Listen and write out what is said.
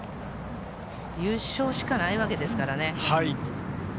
優勝しかないわけですからね。